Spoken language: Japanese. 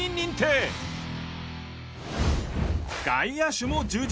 外野手も充実！